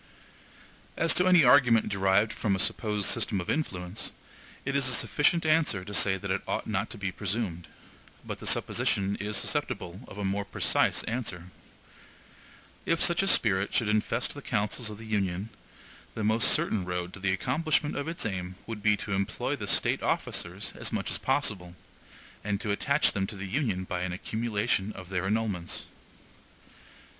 As to any argument derived from a supposed system of influence, it is a sufficient answer to say that it ought not to be presumed; but the supposition is susceptible of a more precise answer. If such a spirit should infest the councils of the Union, the most certain road to the accomplishment of its aim would be to employ the State officers as much as possible, and to attach them to the Union by an accumulation of their emoluments.